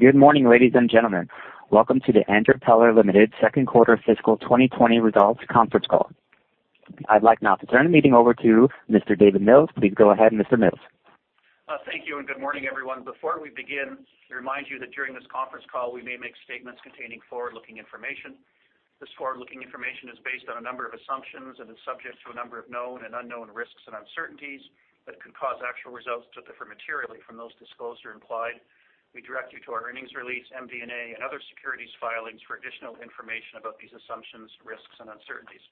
Good morning, ladies and gentlemen. Welcome to the Andrew Peller Limited second quarter fiscal 2020 results conference call. I'd like now to turn the meeting over to Mr. David Mills. Please go ahead, Mr. Mills. Thank you, and good morning, everyone. Before we begin, we remind you that during this conference call, we may make statements containing forward-looking information. This forward-looking information is based on a number of assumptions and is subject to a number of known and unknown risks and uncertainties that could cause actual results to differ materially from those disclosed or implied. We direct you to our earnings release, MD&A, and other securities filings for additional information about these assumptions, risks, and uncertainties.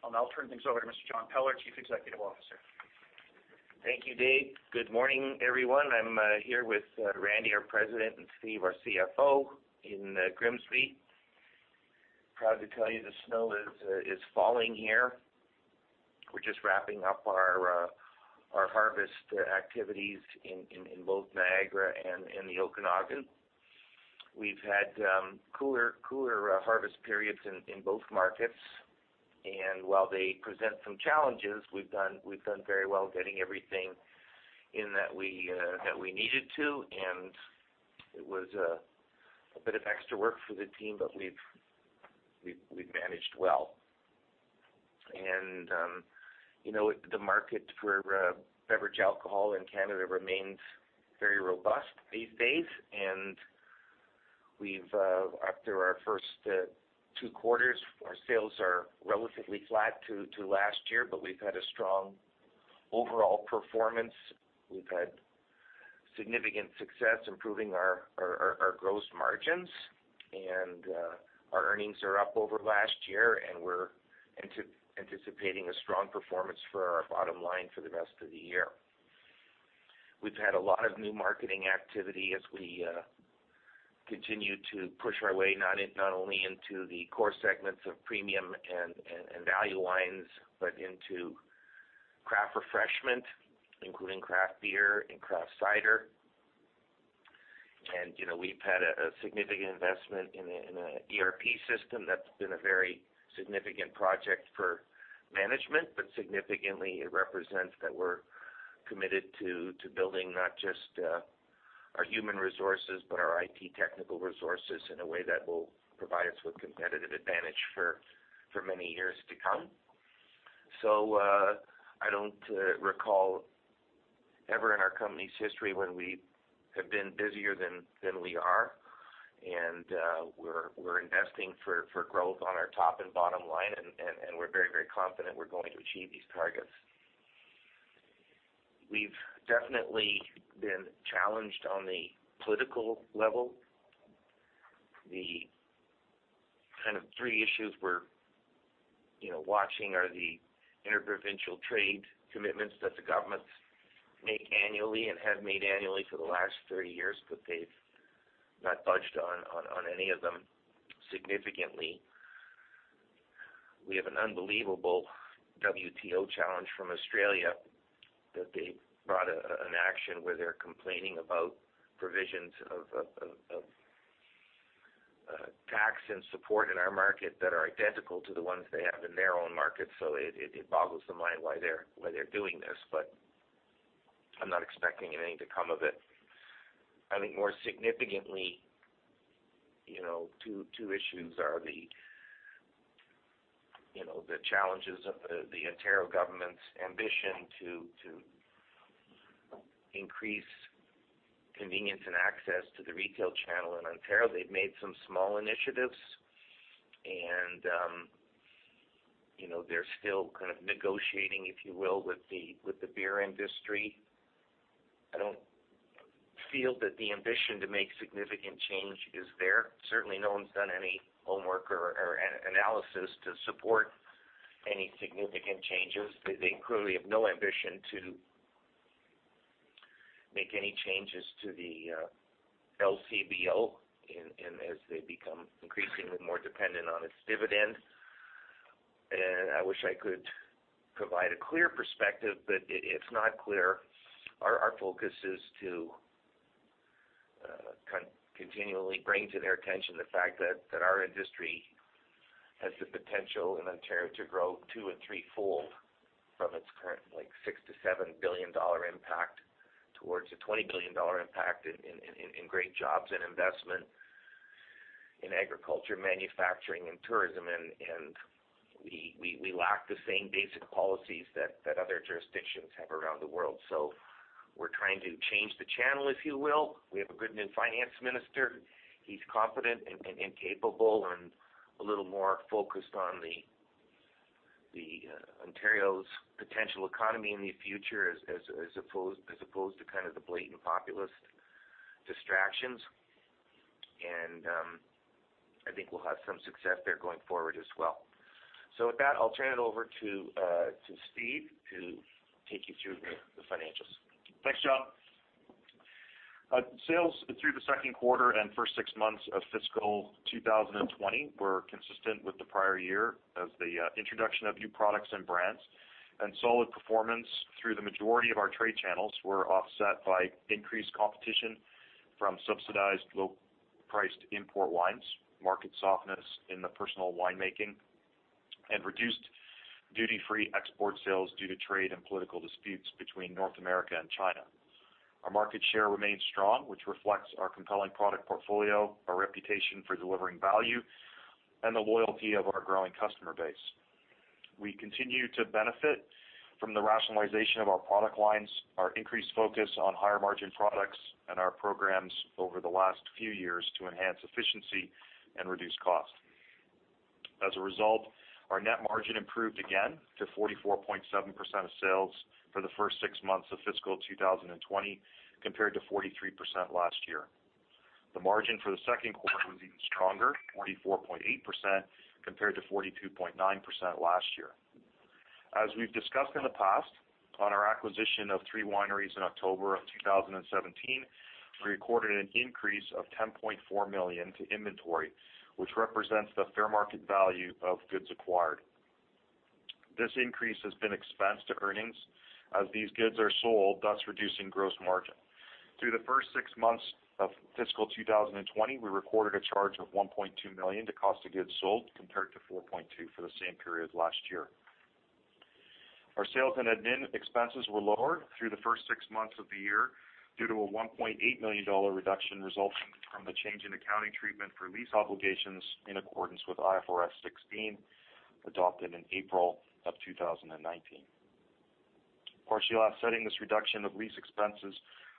I'll now turn things over to Mr. John Peller, Chief Executive Officer. Thank you, Dave. Good morning, everyone. I'm here with Randy, our president, and Steve, our CFO, in Grimsby. Proud to tell you the snow is falling here. We're just wrapping up our harvest activities in both Niagara and in the Okanagan. We've had cooler harvest periods in both markets, and while they present some challenges, we've done very well getting everything in that we needed to, and it was a bit of extra work for the team, but we've managed well. The market for beverage alcohol in Canada remains very robust these days, and after our first two quarters, our sales are relatively flat to last year, but we've had a strong overall performance. We've had significant success improving our gross margins, and our earnings are up over last year, and we're anticipating a strong performance for our bottom line for the rest of the year. We've had a lot of new marketing activity as we continue to push our way, not only into the core segments of premium and value wines, but into craft refreshment, including craft beer and craft cider. We've had a significant investment in an ERP system that's been a very significant project for management, but significantly it represents that we're committed to building not just our human resources, but our IT technical resources in a way that will provide us with competitive advantage for many years to come. I don't recall ever in our company's history when we have been busier than we are, and we're investing for growth on our top and bottom line, and we're very confident we're going to achieve these targets. We've definitely been challenged on the political level. The three issues we're watching are the inter-provincial trade commitments that the governments make annually and have made annually for the last 30 years. They've not budged on any of them significantly. We have an unbelievable WTO challenge from Australia that they brought an action where they're complaining about provisions of tax and support in our market that are identical to the ones they have in their own market. It boggles the mind why they're doing this. I'm not expecting anything to come of it. I think more significantly, two issues are the challenges of the Ontario government's ambition to increase convenience and access to the retail channel in Ontario. They've made some small initiatives. They're still negotiating, if you will, with the beer industry. I don't feel that the ambition to make significant change is there. Certainly, no one's done any homework or analysis to support any significant changes. As they become increasingly more dependent on its dividend. I wish I could provide a clear perspective, but it's not clear. Our focus is to continually bring to their attention the fact that our industry has the potential in Ontario to grow two and three-fold from its current 6 billion-7 billion dollar impact towards a 20 billion dollar impact in great jobs and investment in agriculture, manufacturing, and tourism. We lack the same basic policies that other jurisdictions have around the world. We're trying to change the channel, if you will. We have a good new finance minister. He's competent and capable and a little more focused on the Ontario's potential economy in the future as opposed to the blatant populist distractions, and I think we'll have some success there going forward as well. With that, I'll turn it over to Steve to take you through the financials. Thanks, John. Sales through the second quarter and first six months of fiscal 2020 were consistent with the prior year as the introduction of new products and brands, and solid performance through the majority of our trade channels were offset by increased competition from subsidized low-priced import wines, market softness in the personal winemaking and reduced duty-free export sales due to trade and political disputes between North America and China. Our market share remains strong, which reflects our compelling product portfolio, our reputation for delivering value, and the loyalty of our growing customer base. We continue to benefit from the rationalization of our product lines, our increased focus on higher margin products, and our programs over the last few years to enhance efficiency and reduce cost. As a result, our net margin improved again to 44.7% of sales for the first six months of fiscal 2020, compared to 43% last year. The margin for the second quarter was even stronger, 44.8%, compared to 42.9% last year. As we've discussed in the past, on our acquisition of three wineries in October of 2017, we recorded an increase of 10.4 million to inventory, which represents the fair market value of goods acquired. This increase has been expensed to earnings as these goods are sold, thus reducing gross margin. Through the first six months of fiscal 2020, we recorded a charge of 1.2 million to cost of goods sold, compared to 4.2 million for the same period last year. Our sales and admin expenses were lower through the first six months of the year due to a 1.8 million dollar reduction resulting from the change in accounting treatment for lease obligations in accordance with IFRS 16, adopted in April of 2019. Partially offsetting this reduction of lease expenses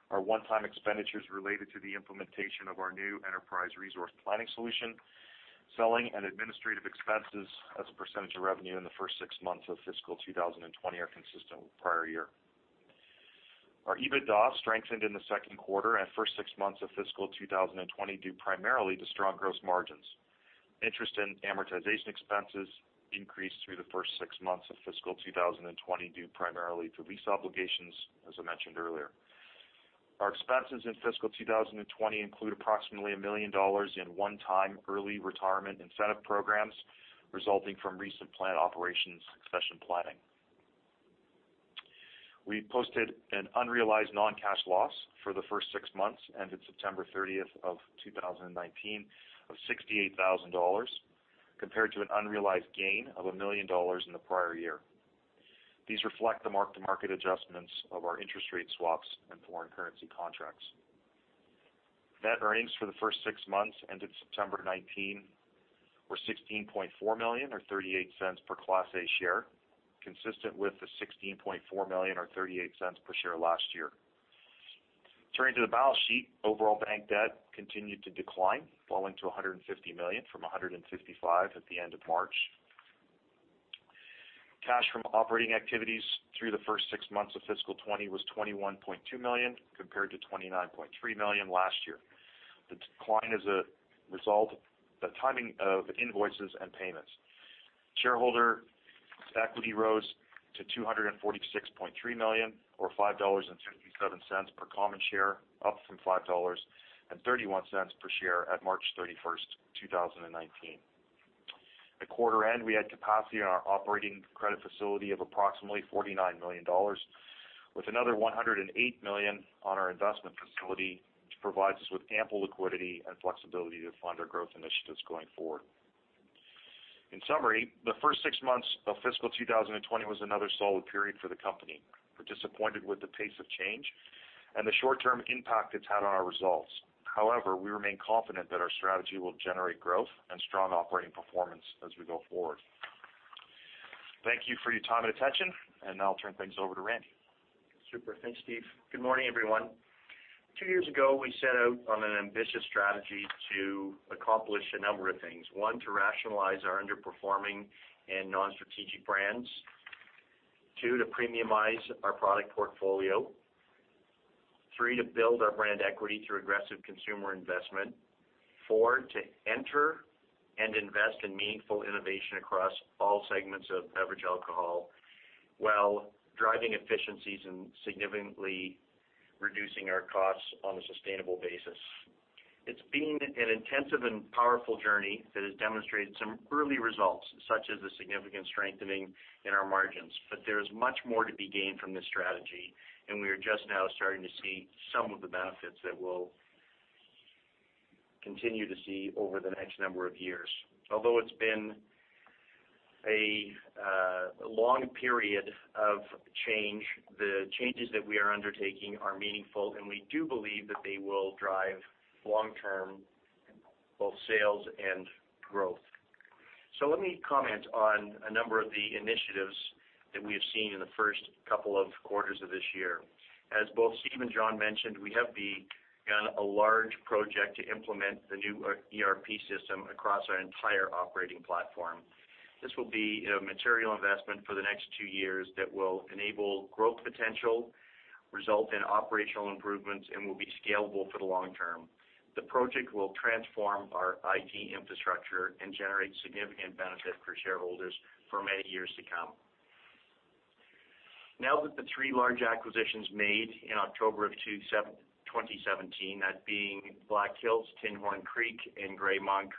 are one-time expenditures related to the implementation of our new enterprise resource planning solution. Selling and administrative expenses as a percentage of revenue in the first six months of fiscal 2020 are consistent with prior year. Our EBITDA strengthened in the second quarter and first six months of fiscal 2020, due primarily to strong gross margins. Interest and amortization expenses increased through the first six months of fiscal 2020 due primarily to lease obligations, as I mentioned earlier. Our expenses in fiscal 2020 include approximately 1 million dollars in one-time early retirement incentive programs resulting from recent plant operations succession planning. We posted an unrealized non-cash loss for the first six months, ended September 30th of 2019 of 68,000 dollars, compared to an unrealized gain of 1 million dollars in the prior year. These reflect the mark-to-market adjustments of our interest rate swaps and foreign currency contracts. Net earnings for the first six months ended September 19 were 16.4 million, or 0.38 per class A share, consistent with 16.4 million or 0.38 per share last year. Turning to the balance sheet, overall bank debt continued to decline, falling to 150 million from 155 at the end of March. Cash from operating activities through the first six months of fiscal 2020 was 21.2 million, compared to 29.3 million last year. The decline is a result of the timing of invoices and payments. Shareholder equity rose to CAD 246.3 million, or CAD 5.57 per common share, up from CAD 5.31 per share at March 31st, 2019. At quarter end, we had capacity in our operating credit facility of approximately 49 million dollars, with another 108 million on our investment facility, which provides us with ample liquidity and flexibility to fund our growth initiatives going forward. In summary, the first six months of fiscal 2020 was another solid period for the company. We're disappointed with the pace of change and the short-term impact it's had on our results. We remain confident that our strategy will generate growth and strong operating performance as we go forward. Thank you for your time and attention. Now I'll turn things over to Randy. Super. Thanks, Steve. Good morning, everyone. Two years ago, we set out on an ambitious strategy to accomplish a number of things. One, to rationalize our underperforming and non-strategic brands. Two, to premiumize our product portfolio. Three, to build our brand equity through aggressive consumer investment. Four, to enter and invest in meaningful innovation across all segments of beverage alcohol while driving efficiencies and significantly reducing our costs on a sustainable basis. It's been an intensive and powerful journey that has demonstrated some early results, such as the significant strengthening in our margins. There is much more to be gained from this strategy, and we are just now starting to see some of the benefits that we'll continue to see over the next number of years. Although it's been a long period of change, the changes that we are undertaking are meaningful, and we do believe that they will drive long-term both sales and growth. Let me comment on a number of the initiatives that we have seen in the first couple of quarters of this year. As both Steve and John mentioned, we have begun a large project to implement the new ERP system across our entire operating platform. This will be a material investment for the next two years that will enable growth potential, result in operational improvements, and will be scalable for the long term. The project will transform our IT infrastructure and generate significant benefit for shareholders for many years to come. Now that the three large acquisitions made in October of 2017, that being Black Hills, Tinhorn Creek, and Gray Monk,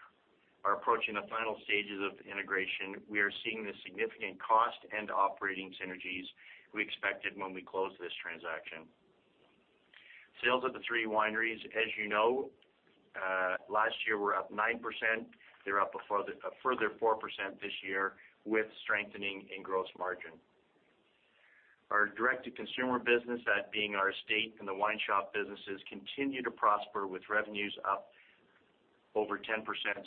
are approaching the final stages of integration, we are seeing the significant cost and operating synergies we expected when we closed this transaction. Sales at the three wineries, as you know, last year were up 9%. They're up a further 4% this year with strengthening in gross margin. Our direct-to-consumer business, that being our estate and the wine shop businesses, continue to prosper with revenues up over 10%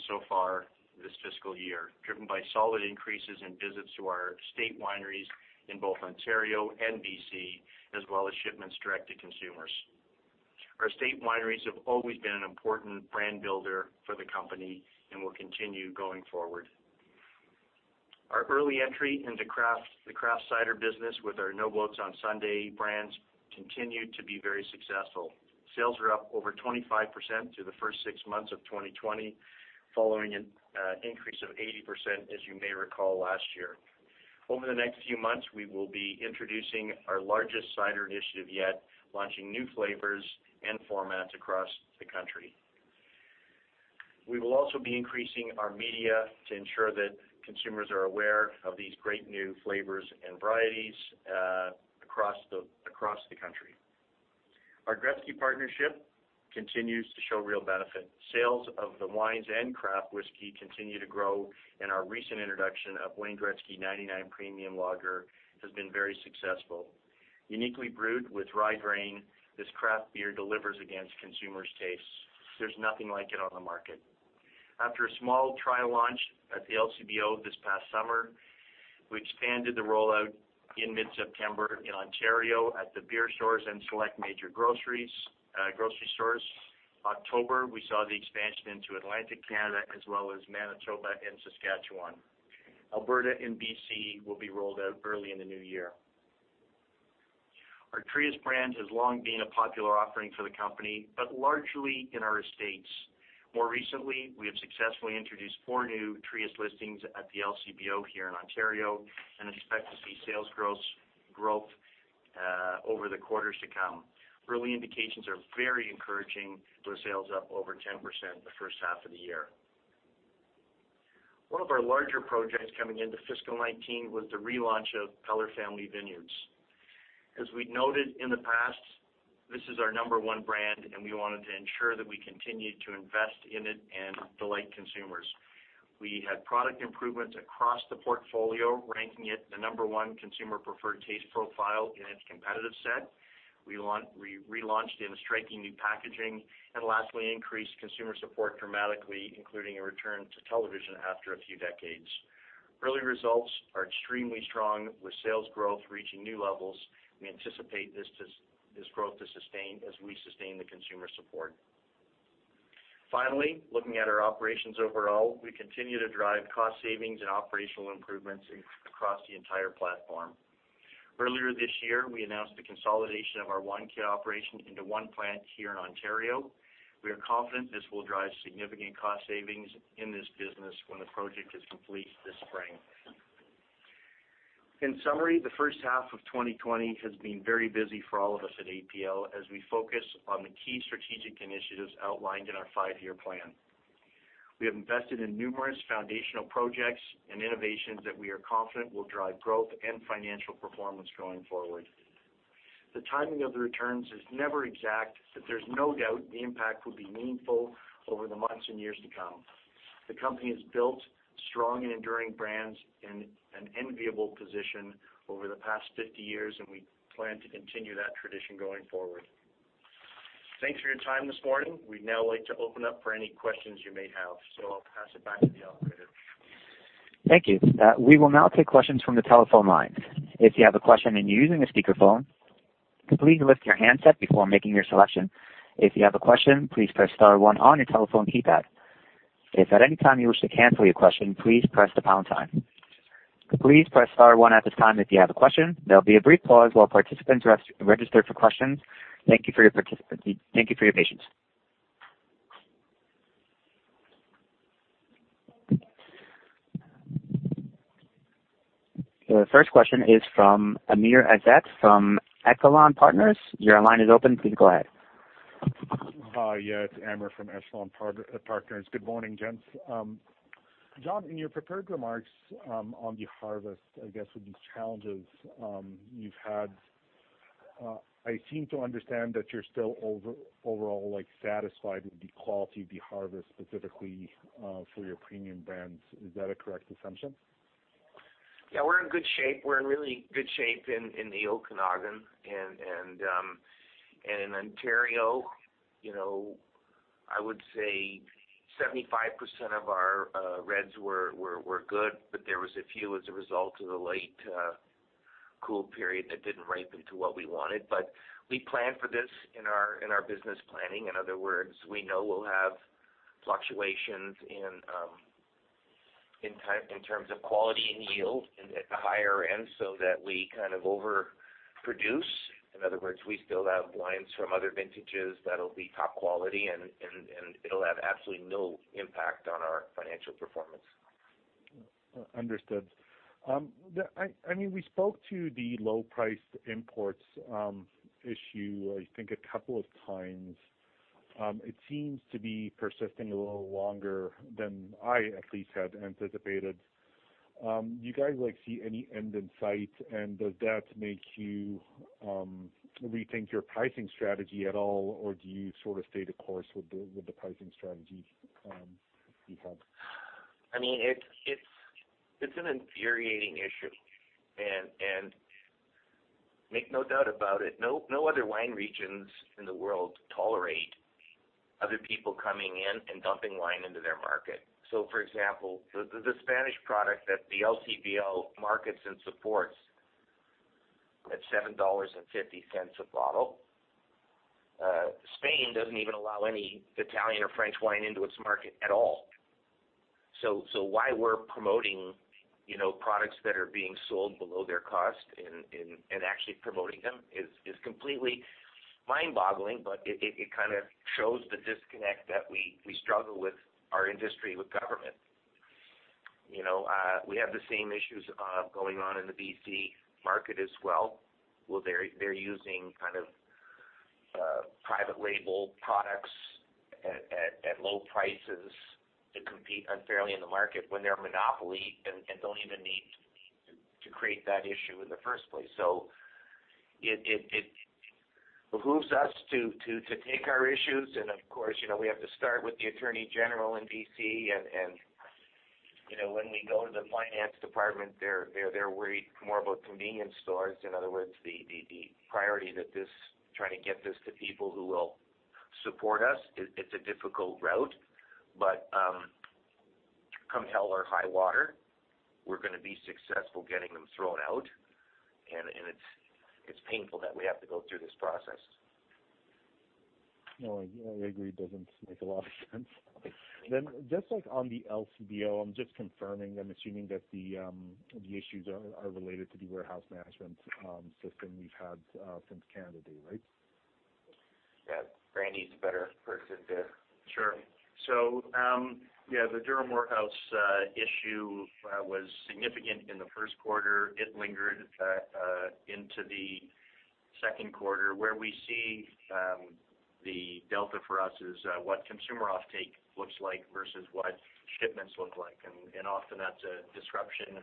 so far this fiscal year, driven by solid increases in visits to our estate wineries in both Ontario and BC, as well as shipments direct to consumers. Our estate wineries have always been an important brand builder for the company and will continue going forward. Our early entry into the craft cider business with our No Boats On Sunday brands continued to be very successful. Sales are up over 25% through the first six months of 2020, following an increase of 80%, as you may recall, last year. Over the next few months, we will be introducing our largest cider initiative yet, launching new flavors and formats across the country. We will also be increasing our media to ensure that consumers are aware of these great new flavors and varieties across the country. Our Gretzky partnership continues to show real benefit. Sales of the wines and craft whiskey continue to grow. Our recent introduction of Wayne Gretzky No. 99 Premium Lager has been very successful. Uniquely brewed with rye grain, this craft beer delivers against consumers' tastes. There's nothing like it on the market. After a small trial launch at the LCBO this past summer, we expanded the rollout in mid-September in Ontario at the beer stores and select major grocery stores. October, we saw the expansion into Atlantic Canada as well as Manitoba and Saskatchewan. Alberta and BC will be rolled out early in the new year. Our Trius brand has long been a popular offering for the company, but largely in our estates. More recently, we have successfully introduced four new Trius listings at the LCBO here in Ontario and expect to see sales growth over the quarters to come. Early indications are very encouraging with sales up over 10% the first half of the year. One of our larger projects coming into fiscal 2019 was the relaunch of Peller Family Vineyards. As we noted in the past, this is our number one brand, and we wanted to ensure that we continued to invest in it and delight consumers. We had product improvements across the portfolio, ranking it the number one consumer preferred taste profile in its competitive set. We relaunched in striking new packaging, and lastly, increased consumer support dramatically, including a return to television after a few decades. Early results are extremely strong with sales growth reaching new levels. We anticipate this growth to sustain as we sustain the consumer support. Finally, looking at our operations overall, we continue to drive cost savings and operational improvements across the entire platform. Earlier this year, we announced the consolidation of our wine care operation into one plant here in Ontario. We are confident this will drive significant cost savings in this business when the project is complete this spring. In summary, the first half of 2020 has been very busy for all of us at APL as we focus on the key strategic initiatives outlined in our five-year plan. We have invested in numerous foundational projects and innovations that we are confident will drive growth and financial performance going forward. The timing of the returns is never exact, but there's no doubt the impact will be meaningful over the months and years to come. The company has built strong and enduring brands in an enviable position over the past 50 years, and we plan to continue that tradition going forward. Thanks for your time this morning. We'd now like to open up for any questions you may have. I'll pass it back to the operator. Thank you. We will now take questions from the telephone line. If you have a question and you're using a speakerphone, please lift your handset before making your selection. If you have a question, please press star one on your telephone keypad. If at any time you wish to cancel your question, please press the pound sign. Please press star one at this time if you have a question. There'll be a brief pause while participants register for questions. Thank you for your patience. The first question is from Amr Ezzat from Echelon Wealth Partners. Your line is open. Please go ahead. Hi. Yeah, it's Amr from Echelon Wealth Partners. Good morning, gents. John, in your prepared remarks on the harvest, I guess, with these challenges you've had, I seem to understand that you're still overall satisfied with the quality of the harvest specifically for your premium brands. Is that a correct assumption? Yeah, we're in good shape. We're in really good shape in the Okanagan and in Ontario. I would say 75% of our reds were good, but there was a few as a result of the late cool period that didn't ripen to what we wanted. We plan for this in our business planning. In other words, we know we'll have fluctuations in terms of quality and yield at the higher end so that we kind of overproduce. In other words, we still have wines from other vintages that'll be top quality, and it'll have absolutely no impact on our financial performance. Understood. We spoke to the low-priced imports issue, I think a couple of times. It seems to be persisting a little longer than I at least had anticipated. Do you guys see any end in sight? Does that make you rethink your pricing strategy at all, or do you sort of stay the course with the pricing strategy you have? It's an infuriating issue. Make no doubt about it, no other wine regions in the world tolerate other people coming in and dumping wine into their market. For example, the Spanish product that the LCBO markets and supports at CAD 7.50 a bottle, Spain doesn't even allow any Italian or French wine into its market at all. Why we're promoting products that are being sold below their cost and actually promoting them is completely mind-boggling. It kind of shows the disconnect that we struggle with our industry, with government. We have the same issues going on in the BC market as well, where they're using kind of private label products at low prices to compete unfairly in the market when they're a monopoly and don't even need to create that issue in the first place. It behooves us to take our issues, and of course, we have to start with the attorney general in BC, and when we go to the finance department, they're worried more about convenience stores. In other words, the priority that trying to get this to people who will support us, it's a difficult route, but come hell or high water, we're going to be successful getting them thrown out, and it's painful that we have to go through this process. No, I agree. It doesn't make a lot of sense. Just on the LCBO, I'm just confirming, I'm assuming that the issues are related to the warehouse management system we've had since Canada Day, right? Yeah. Randy's a better person to. Sure. The Durham warehouse issue was significant in the first quarter. It lingered into the second quarter. Where we see the delta for us is what consumer offtake looks like versus what shipments look like, and often that's a disruption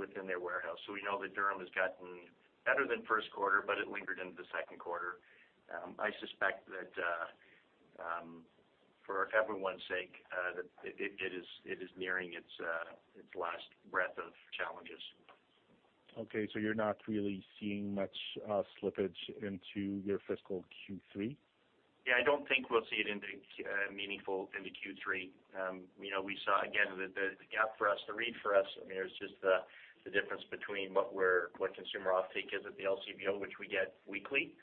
within their warehouse. We know that Durham has gotten better than first quarter, but it lingered into the second quarter. I suspect that for everyone's sake, that it is nearing its last breath of challenges. Okay, you're not really seeing much slippage into your fiscal Q3? I don't think we'll see it meaningful into Q3. We saw, again, the gap for us, the read for us, Amr, is just the difference between what consumer offtake is at the LCBO, which we get weekly,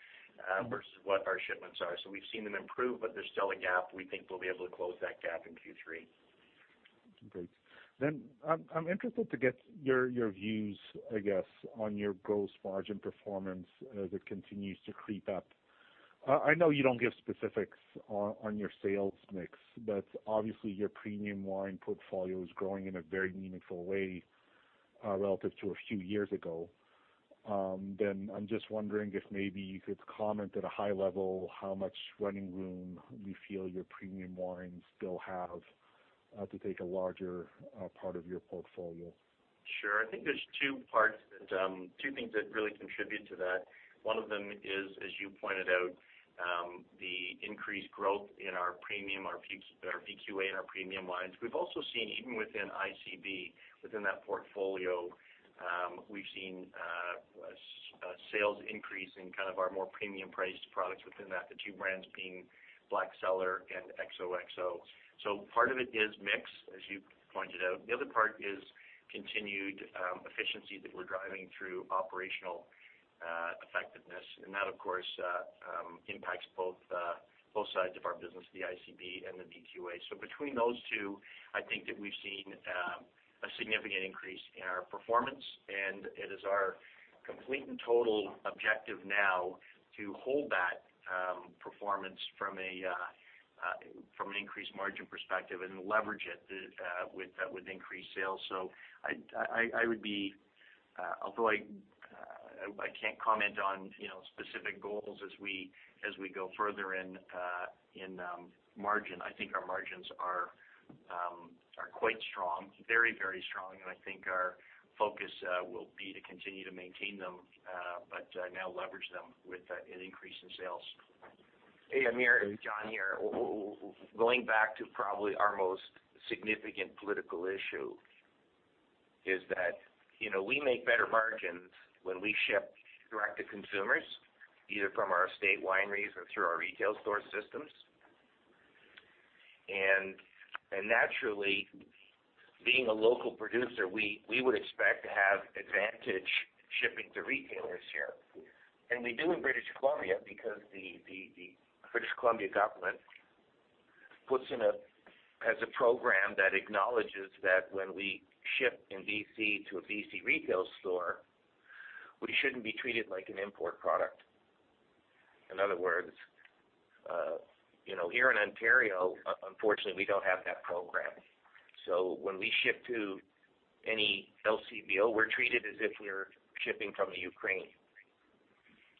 versus what our shipments are. We've seen them improve, but there's still a gap. We think we'll be able to close that gap in Q3. Great. I'm interested to get your views, I guess, on your gross margin performance as it continues to creep up. I know you don't give specifics on your sales mix, but obviously your premium wine portfolio is growing in a very meaningful way relative to a few years ago. I'm just wondering if maybe you could comment at a high level how much running room you feel your premium wines still have to take a larger part of your portfolio. Sure. I think there's two parts, two things that really contribute to that. One of them is, as you pointed out, the increased growth in our premium, our VQA and our premium wines. We've also seen even within ICB, within that portfolio, we've seen sales increase in kind of our more premium priced products within that, the two brands being Black Cellar and XOXO. Part of it is mix, as you pointed out. The other part is continued efficiency that we're driving through operational effectiveness. That, of course, impacts both sides of our business, the ICB and the VQA. Between those two, I think that we've seen a significant increase in our performance, and it is our complete and total objective now to hold that performance from an increased margin perspective and leverage it with increased sales. I would be, although I can't comment on specific goals as we go further in margin, I think our margins are quite strong. Very strong, and I think our focus will be to continue to maintain them, but now leverage them with an increase in sales. Hey, Amir, John here. Going back to probably our most significant political issue is that we make better margins when we ship direct to consumers, either from our estate wineries or through our retail store systems. Naturally, being a local producer, we would expect to have advantage shipping to retailers here. We do in British Columbia because the British Columbia government has a program that acknowledges that when we ship in BC to a BC retail store, we shouldn't be treated like an import product. In other words, here in Ontario, unfortunately, we don't have that program. When we ship to any LCBO, we're treated as if we're shipping from the Ukraine.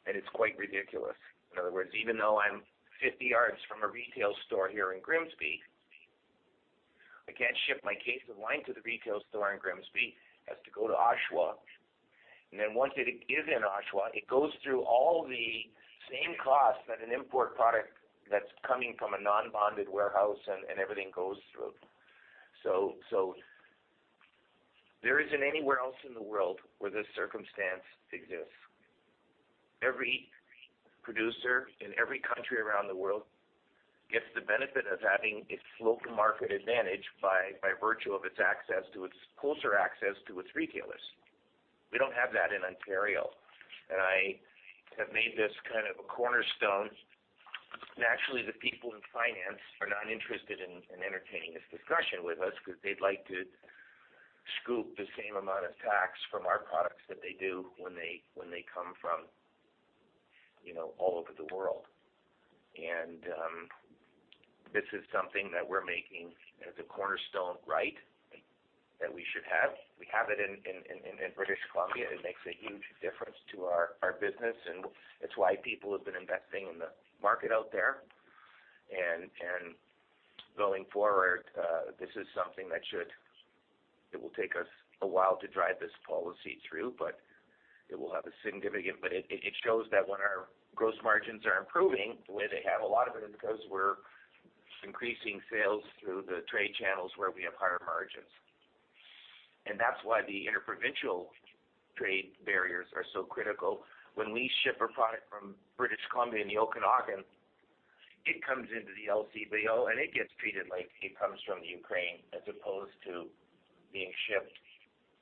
It's quite ridiculous. In other words, even though I'm 50 yards from a retail store here in Grimsby, I can't ship my case of wine to the retail store in Grimsby. It has to go to Oshawa. Then once it is in Oshawa, it goes through all the same costs that an import product that's coming from a non-bonded warehouse and everything goes through. There isn't anywhere else in the world where this circumstance exists. Every producer in every country around the world gets the benefit of having its local market advantage by virtue of its closer access to its retailers. We don't have that in Ontario, and I have made this kind of a cornerstone. Naturally, the people in finance are not interested in entertaining this discussion with us because they'd like to scoop the same amount of tax from our products that they do when they come from all over the world. This is something that we're making as a cornerstone right that we should have. We have it in British Columbia. It makes a huge difference to our business, and it's why people have been investing in the market out there. Going forward, this is something that it will take us a while to drive this policy through. It shows that when our gross margins are improving the way they have, a lot of it is because we're increasing sales through the trade channels where we have higher margins. That's why the inter-provincial trade barriers are so critical. When we ship a product from British Columbia in the Okanagan, it comes into the LCBO, and it gets treated like it comes from the Ukraine as opposed to being shipped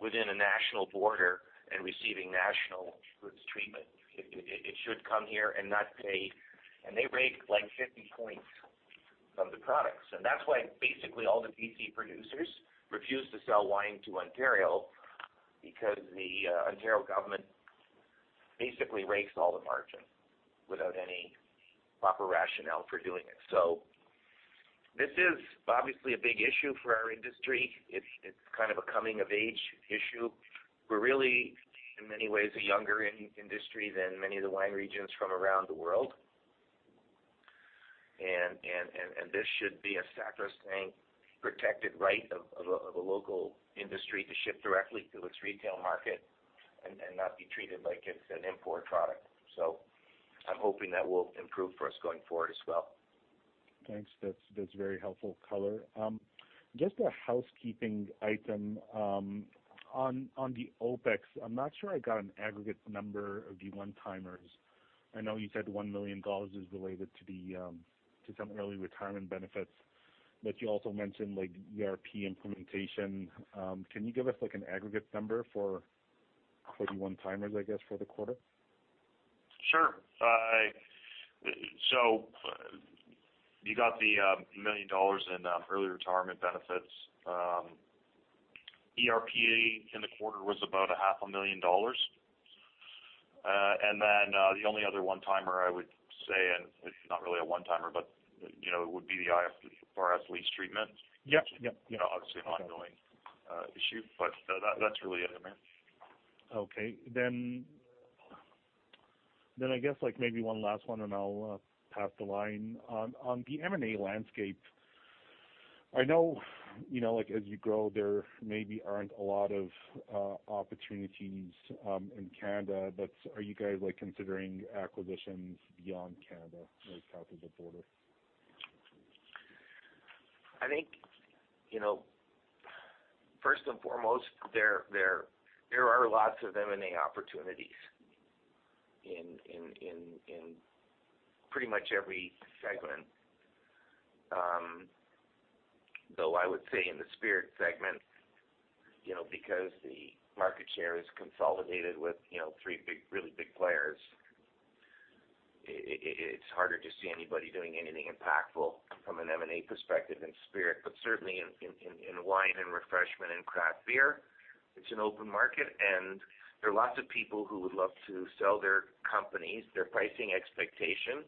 within a national border and receiving national roots treatment. It should come here and not pay, and they rake like 50 points from the products. That's why basically all the BC producers refuse to sell wine to Ontario because the Ontario government basically rakes all the margin without any proper rationale for doing it. This is obviously a big issue for our industry. It's kind of a coming-of-age issue. We're really, in many ways, a younger industry than many of the wine regions from around the world. This should be a sacrosanct, protected right of a local industry to ship directly to its retail market and not be treated like it's an import product. I'm hoping that will improve for us going forward as well. Thanks. That's very helpful color. Just a housekeeping item. On the OpEx, I'm not sure I got an aggregate number of the one-timers. I know you said 1 million dollars is related to some early retirement benefits, but you also mentioned ERP implementation. Can you give us an aggregate number for the one-timers, I guess, for the quarter? Sure. You got the 1 million dollars in early retirement benefits. ERP in the quarter was about a half a million dollars. The only other one-timer I would say, and it's not really a one-timer, but it would be the IFRS lease treatment. Yep. Obviously, an ongoing issue, but that's really it, I imagine. Okay. I guess maybe one last one, and I'll pass the line. On the M&A landscape, I know as you grow, there maybe aren't a lot of opportunities in Canada, are you guys considering acquisitions beyond Canada, south of the border? I think, first and foremost, there are lots of M&A opportunities in pretty much every segment. Though I would say in the spirit segment, because the market share is consolidated with three really big players, it's harder to see anybody doing anything impactful from an M&A perspective in spirit. Certainly in wine and refreshment and craft beer, it's an open market, and there are lots of people who would love to sell their companies. Their pricing expectations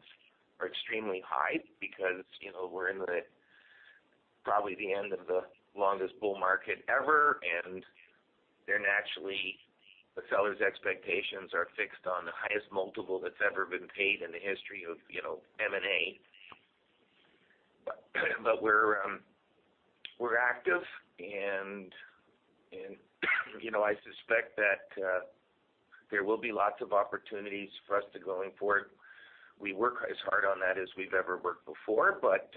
are extremely high because we're in probably the end of the longest bull market ever, and they're naturally, the sellers' expectations are fixed on the highest multiple that's ever been paid in the history of M&A. We're active, and I suspect that there will be lots of opportunities for us going forward. We work as hard on that as we've ever worked before, but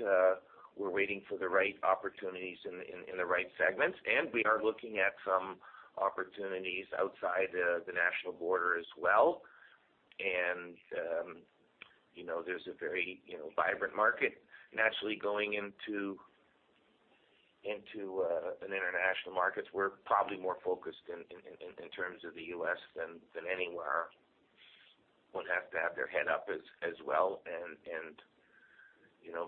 we're waiting for the right opportunities in the right segments, and we are looking at some opportunities outside the national border as well. There's a very vibrant market naturally going into international markets. We're probably more focused in terms of the U.S. than anywhere. One has to have their head up as well and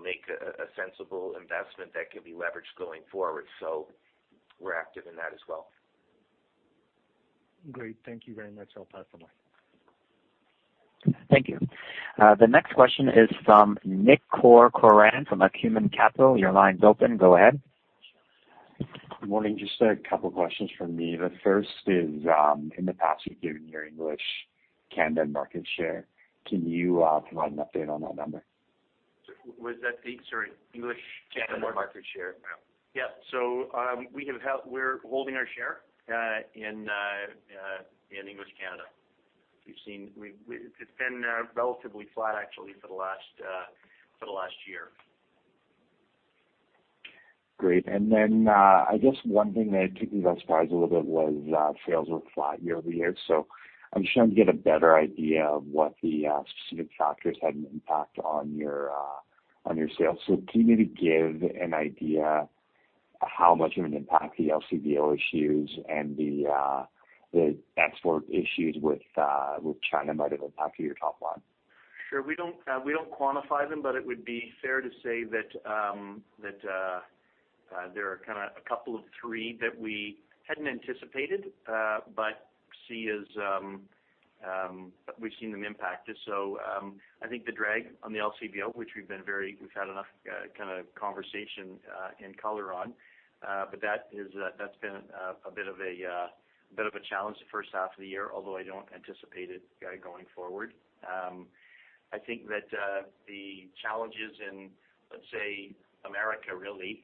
make a sensible investment that can be leveraged going forward. We're active in that as well. Great. Thank you very much. I will pass the line. Thank you. The next question is from Nick Corcoran from Acumen Capital. Your line is open. Go ahead. Good morning. Just a couple questions from me. The first is, in the past, you've given your English Canada market share. Can you provide an update on that number? Was that the, sorry, English Canada market share? Yeah. Yeah. We're holding our share in English Canada. It's been relatively flat actually for the last year. Great. I guess one thing that took me by surprise a little bit was sales were flat year-over-year. I'm just trying to get a better idea of what the specific factors had an impact on your sales. Can you maybe give an idea how much of an impact the LCBO issues and the export issues with China might have impacted your top line? Sure. We don't quantify them, but it would be fair to say that there are kind of a couple of three that we hadn't anticipated, but we've seen them impacted. I think the drag on the LCBO, which we've had enough kind of conversation and color on. That's been a bit of a challenge the first half of the year, although I don't anticipate it going forward. I think that the challenges in, let's say, America really,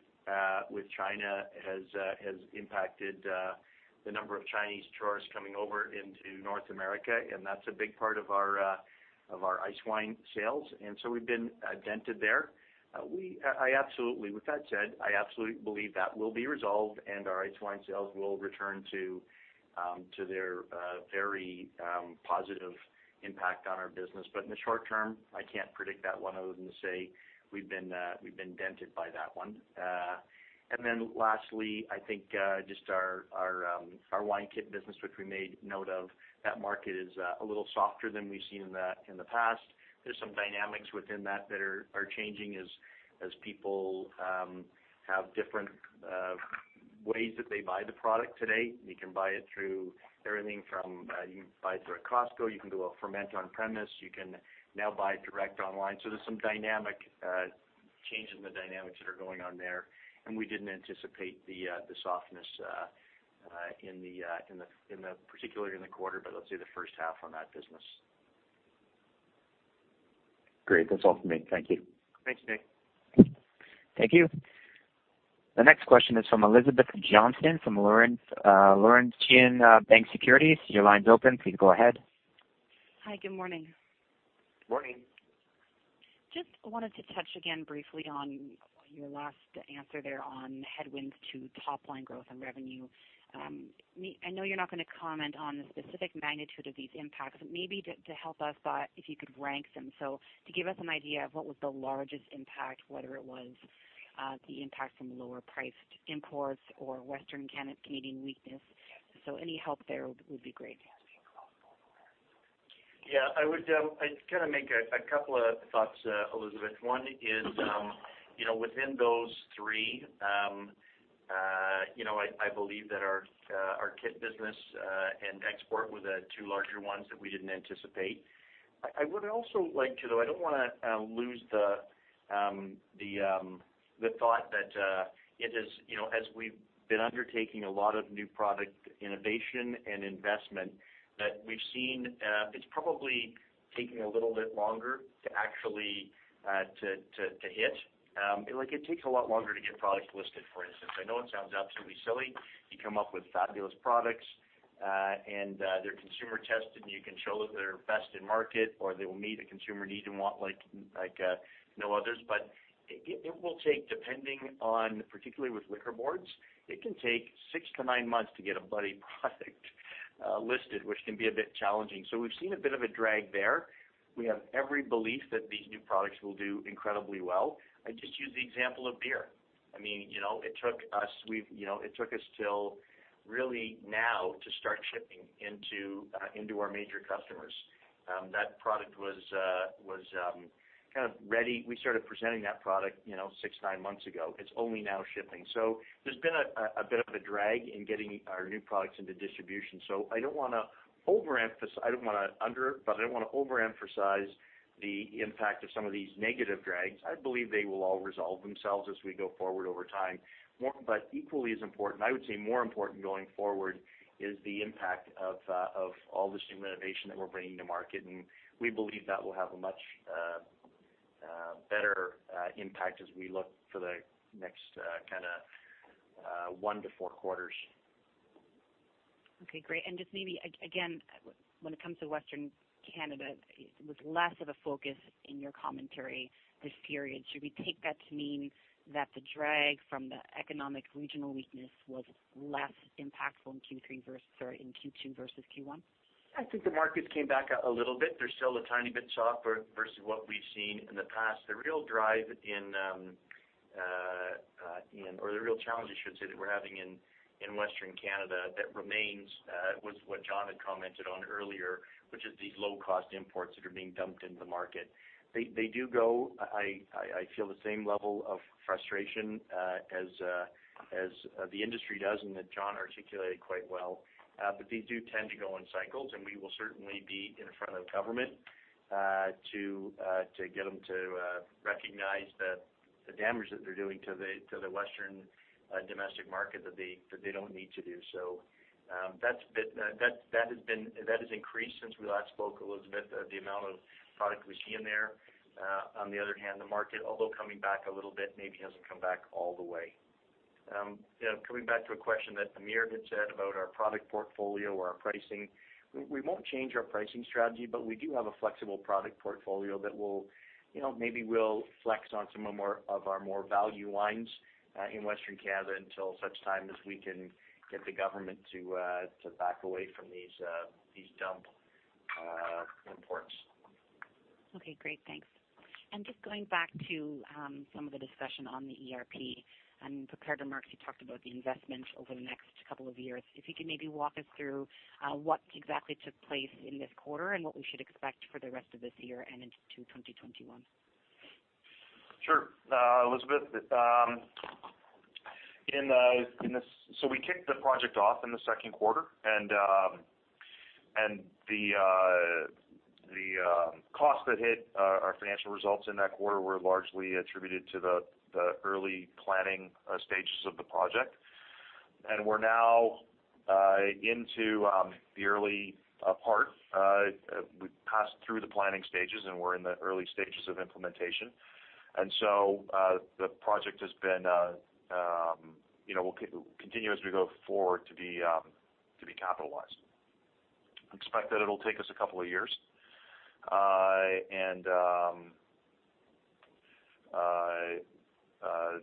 with China has impacted the number of Chinese tourists coming over into North America, and that's a big part of our ice wine sales, and so we've been dented there. With that said, I absolutely believe that will be resolved and our ice wine sales will return to their very positive impact on our business. In the short term, I can't predict that one other than to say we've been dented by that one. Lastly, I think, just our wine kit business, which we made note of, that market is a little softer than we've seen in the past. There's some dynamics within that that are changing as people have different ways that they buy the product today. You can buy it through everything from, you can buy it through a Costco, you can do a ferment on premise, you can now buy direct online. There's some changes in the dynamics that are going on there, and we didn't anticipate the softness, particularly in the quarter, but let's say the first half on that business. Great. That's all for me. Thank you. Thanks, Nick. Thank you. The next question is from Elizabeth Johnston from Laurentian Bank Securities. Your line's open. Please go ahead. Hi, good morning. Morning. Just wanted to touch again briefly on your last answer there on headwinds to top line growth and revenue. I know you're not going to comment on the specific magnitude of these impacts, but maybe to help us, if you could rank them, so to give us an idea of what was the largest impact, whether it was the impact from lower priced imports or Western Canadian weakness. Any help there would be great. I'd kind of make a couple of thoughts, Elizabeth. One is within those three, I believe that our kit business and export were the two larger ones that we didn't anticipate. I would also like to though, I don't want to lose the thought that as we've been undertaking a lot of new product innovation and investment that we've seen, it's probably taking a little bit longer to actually hit. Like it takes a lot longer to get products listed, for instance. I know it sounds absolutely silly. You come up with fabulous products, they're consumer tested, and you can show that they're best in market or they will meet a consumer need and want like no others. It will take, particularly with liquor boards, it can take six to nine months to get a bloody product listed, which can be a bit challenging. We've seen a bit of a drag there. We have every belief that these new products will do incredibly well. I just use the example of beer. It took us till really now to start shipping into our major customers. That product was kind of ready. We started presenting that product 6, 9 months ago. It's only now shipping. There's been a bit of a drag in getting our new products into distribution. I don't want to overemphasize the impact of some of these negative drags. I believe they will all resolve themselves as we go forward over time. Equally as important, I would say more important going forward, is the impact of all this new innovation that we're bringing to market, and we believe that will have a much better impact as we look for the next kind of one to four quarters. Okay, great. Just maybe, again, when it comes to Western Canada, it was less of a focus in your commentary this period. Should we take that to mean that the drag from the economic regional weakness was less impactful in Q2 versus Q1? I think the markets came back a little bit. They're still a tiny bit softer versus what we've seen in the past. The real drive in, or the real challenge I should say that we're having in Western Canada that remains, was what John had commented on earlier, which is these low-cost imports that are being dumped into the market. I feel the same level of frustration as the industry does and that John articulated quite well. These do tend to go in cycles and we will certainly be in front of the government to get them to recognize that the damage that they're doing to the Western domestic market that they don't need to do. That has increased since we last spoke, Elizabeth, the amount of product we see in there. On the other hand, the market, although coming back a little bit, maybe hasn't come back all the way. Coming back to a question that Amir had said about our product portfolio or our pricing, we won't change our pricing strategy, but we do have a flexible product portfolio that maybe we'll flex on some of our more value lines in Western Canada until such time as we can get the government to back away from these dump imports. Okay, great. Thanks. Just going back to some of the discussion on the ERP, and prepared remarks, you talked about the investments over the next couple of years. If you could maybe walk us through what exactly took place in this quarter and what we should expect for the rest of this year and into 2021. Sure, Elizabeth Johnston. We kicked the project off in the second quarter, and the cost that hit our financial results in that quarter were largely attributed to the early planning stages of the project. We are now into the early part. We have passed through the planning stages, and we are in the early stages of implementation. The project will continue as we go forward to be capitalized. Expect that it will take us a couple of years, and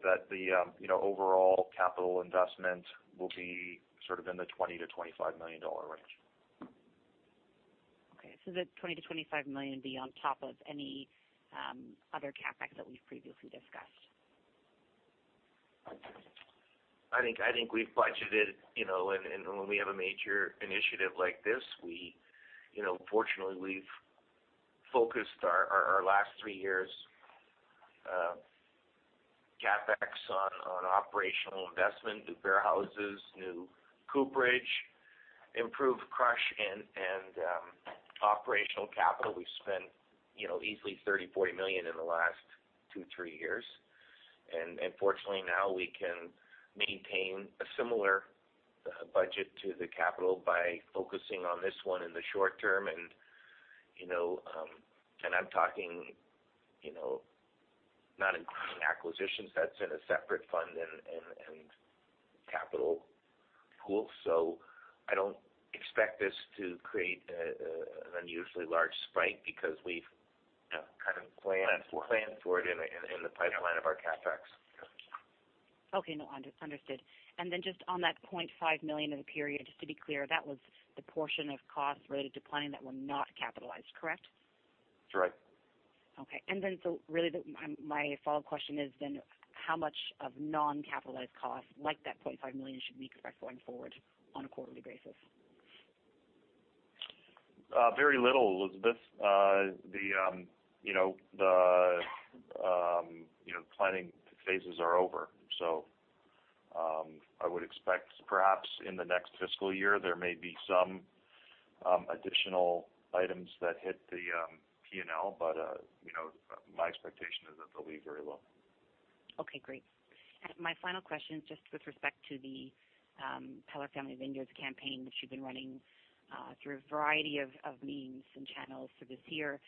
that the overall capital investment will be sort of in the 20 million-25 million dollar range. Okay. That 20 million-25 million would be on top of any other CapEx that we've previously discussed? I think we've budgeted, and when we have a major initiative like this, fortunately, we've focused our last 3 years' CapEx on operational investment, new warehouses, new cooperage, improved crush, and operational capital. We've spent easily 30 million-40 million in the last 2-3 years. Fortunately, now we can maintain a similar budget to the capital by focusing on this one in the short term. I'm talking not including acquisitions, that's in a separate fund and capital pool. I don't expect this to create an unusually large spike. Planned for planned for it in the pipeline of our CapEx. Okay. No, understood. Just on that 0.5 million in the period, just to be clear, that was the portion of costs related to planning that were not capitalized, correct? That's right. Okay. Really my follow-up question is, how much of non-capitalized costs like that 0.5 million should we expect going forward on a quarterly basis? Very little, Elizabeth. The planning phases are over, so I would expect perhaps in the next fiscal year, there may be some additional items that hit the P&L, but my expectation is that they'll be very low. Okay, great. My final question is just with respect to the Peller Family Vineyards campaign, which you've been running through a variety of means and channels through this year.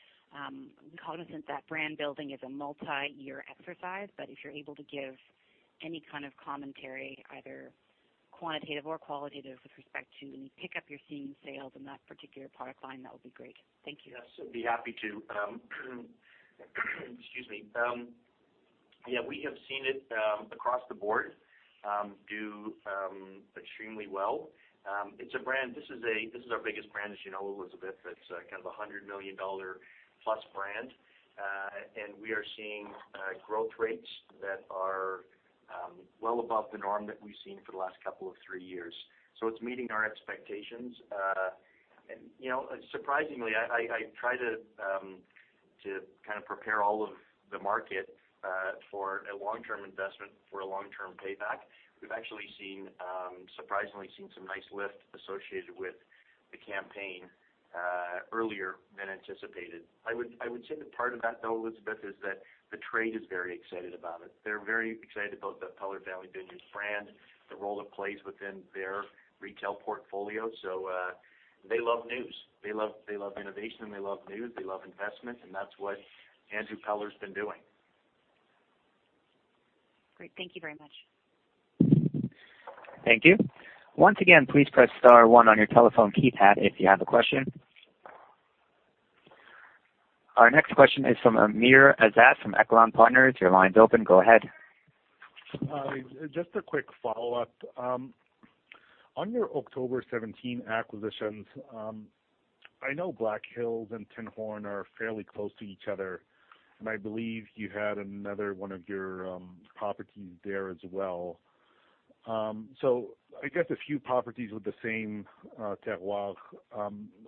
Cognizant that brand building is a multi-year exercise, but if you're able to give any kind of commentary, either quantitative or qualitative, with respect to any pickup you're seeing in sales in that particular product line, that would be great. Thank you. Yes, I'd be happy to. Excuse me. Yeah, we have seen it across the board do extremely well. This is our biggest brand, as you know, Elizabeth. It's kind of a 100 million dollar-plus brand. We are seeing growth rates that are well above the norm that we've seen for the last couple of three years. It's meeting our expectations. Surprisingly, I try to kind of prepare all of the market for a long-term investment, for a long-term payback. We've actually surprisingly seen some nice lift associated with the campaign earlier than anticipated. I would say that part of that, though, Elizabeth, is that the trade is very excited about it. They're very excited about the Peller Family Vineyards brand, the role it plays within their retail portfolio. They love news. They love innovation, they love news, they love investment, and that's what Andrew Peller's been doing. Great. Thank you very much. Thank you. Once again, please press *1 on your telephone keypad if you have a question. Our next question is from Amr Ezzat from Echelon Wealth Partners. Your line's open. Go ahead. Just a quick follow-up. On your October 17 acquisitions, I know Black Hills and Tinhorn are fairly close to each other, and I believe you had another one of your properties there as well. I guess a few properties with the same terroir.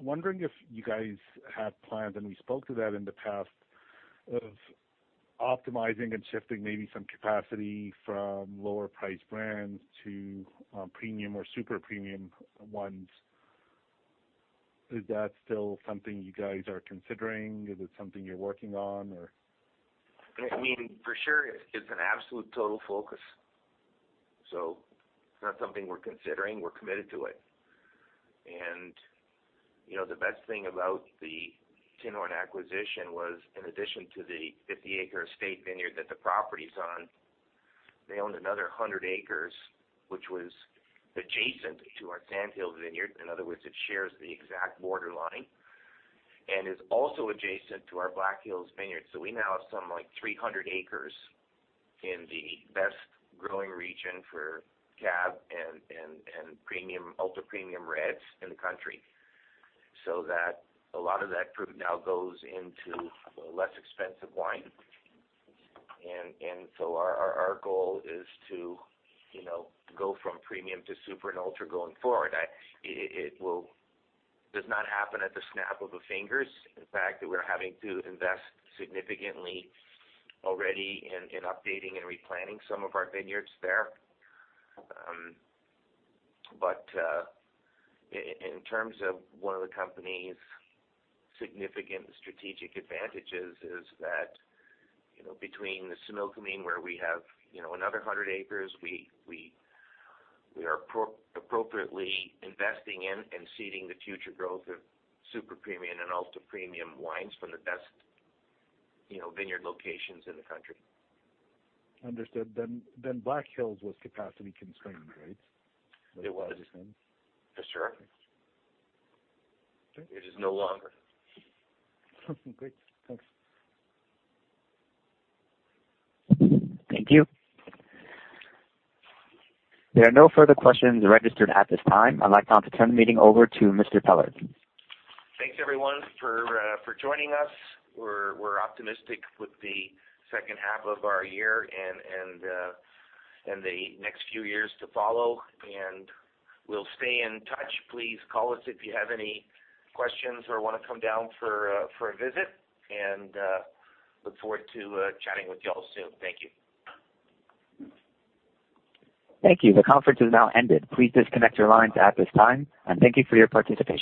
Wondering if you guys have plans, and we spoke to that in the past, of optimizing and shifting maybe some capacity from lower-priced brands to premium or super premium ones. Is that still something you guys are considering? Is it something you're working on? For sure. It's an absolute total focus. It's not something we're considering, we're committed to it. The best thing about the Tinhorn acquisition was in addition to the 50-acre estate vineyard that the property's on, they owned another 100 acres, which was adjacent to our Sandhill vineyard. In other words, it shares the exact borderline and is also adjacent to our Black Hills vineyard. We now have some 300 acres in the best growing region for cab and ultra premium reds in the country. A lot of that fruit now goes into less expensive wine. Our goal is to go from premium to super and ultra going forward. It does not happen at the snap of the fingers. In fact, we're having to invest significantly already in updating and replanting some of our vineyards there. In terms of one of the company's significant strategic advantages is that, between the Similkameen where we have another 100 acres, we are appropriately investing in and seeding the future growth of super premium and ultra premium wines from the best vineyard locations in the country. Understood. Black Hills was capacity constrained, right? It was. At this time. For sure. Okay. It is no longer. Great. Thanks. Thank you. There are no further questions registered at this time. I'd like now to turn the meeting over to Mr. Peller. Thanks everyone for joining us. We're optimistic with the second half of our year and the next few years to follow, and we'll stay in touch. Please call us if you have any questions or want to come down for a visit, and look forward to chatting with you all soon. Thank you. Thank you. The conference has now ended. Please disconnect your lines at this time, and thank you for your participation.